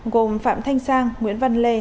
gồm phạm thanh sang nguyễn văn lê